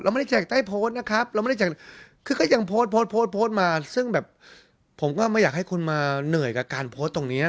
เราไม่ได้แจกใต้โพสต์นะครับก็ยังโพสต์มาผมก็ไม่อยากให้คุณมาเหนื่อยกับการโพสต์ตรงนี้